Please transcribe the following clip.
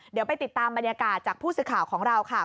เดี๋ยวไปติดตามบรรยากาศจากผู้สื่อข่าวของเราค่ะ